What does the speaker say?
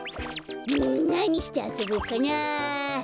なにしてあそぼっかな。